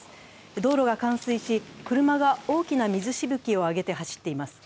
道路が冠水し、車が大きな水しぶきを上げて走っています。